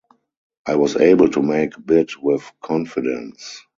I was able to make bid with confidence.